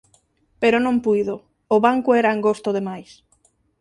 Pero non puido, o banco era angosto de máis…